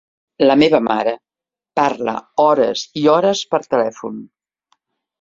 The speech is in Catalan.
La meva mare parla hores i hores per telèfon.